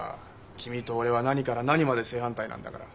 君と俺は何から何まで正反対なんだから。